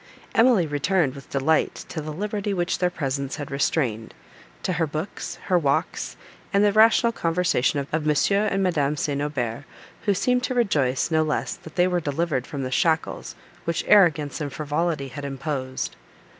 Emily returned, with delight, to the liberty which their presence had restrained, to her books, her walks, and the rational conversation of M. and Madame St. Aubert, who seemed to rejoice, no less, that they were delivered from the shackles, which arrogance and frivolity had imposed.